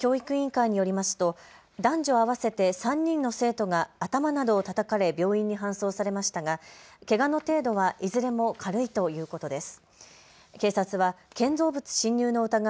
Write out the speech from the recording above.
警察や教育委員会によりますと男女合わせて３人の生徒が頭などをたたかれ病院に搬送されましたが、けがの程度はいずれも軽いということです。